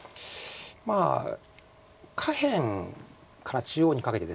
まあ下辺から中央にかけてですね。